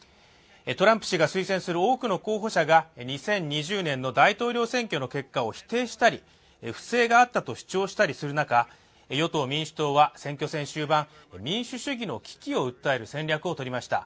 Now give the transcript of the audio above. トランプ氏が推薦する多くの候補者が２０２０年の大統領選挙の結果を否定したり不正があったと主張したりする中、与党・民主党は選挙戦終盤、民主主義の危機を訴える戦略をとりました。